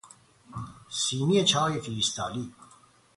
سینی چای کریستالی